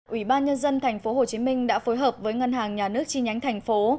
ủy ban nhân dân tp hcm đã phối hợp với ngân hàng nhà nước chi nhánh thành phố